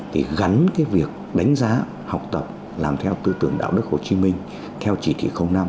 thì gắn cái việc đánh giá học tập làm theo tư tưởng đạo đức hồ chí minh theo chỉ thị năm